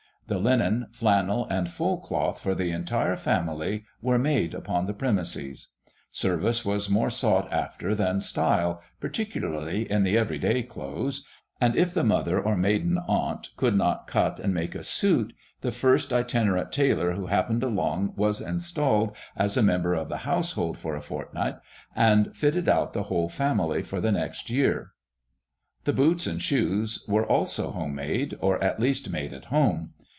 The linen, flannel, and fullcloth for the entire family were made upon the premises. Service was more sought after than style, particularly in the "everyday clothes"; and, if the mother or maiden aunt could not cut and make a suit, the first itinerant tailor who happened along was installed as a member of the household for a fortnight and fitted out the whole family for the next year. The boots and shoes were also homemade, or at least made at home.